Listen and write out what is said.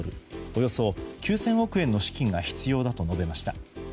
およそ９０００億円の資金が必要だと述べました。